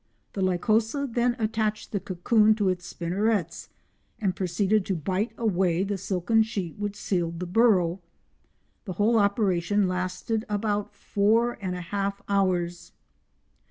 The Lycosa then attached the cocoon to its spinnerets and proceeded to bite away the silken sheet which sealed the burrow. The whole operation lasted about four and a half hours.